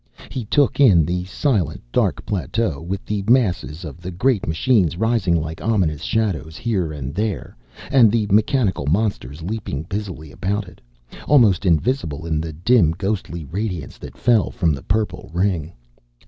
He took in the silent, dark plateau, with the masses of the great machines rising like ominous shadows here and there, and the mechanical monsters leaping busily about it, almost invisible in the dim, ghostly radiance that fell from the purple ring.